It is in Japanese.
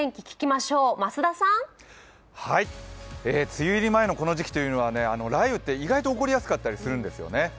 梅雨入り前のこの時期というのは雷雨って意外と起こりやすかったりするんですね。